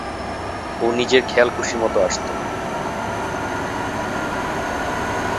ও নিজের খেয়াল খুশি মতো আসত।